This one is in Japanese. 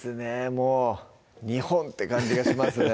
もう日本！って感じがしますね